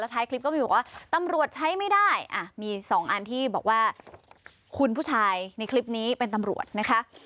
ท้ายคลิปก็มีบอกว่าตำรวจใช้ไม่ได้มีสองอันที่บอกว่าคุณผู้ชายในคลิปนี้เป็นตำรวจนะคะ